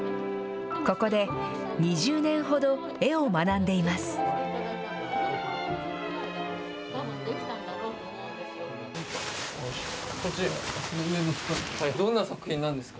ここで、２０年ほど絵を学んでいます。